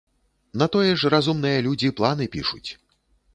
На тое ж разумныя людзі планы пішуць.